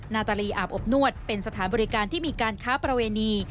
นาตาลีอาบอบนวดเป็นสถานบริการที่มีการค้าประเวณี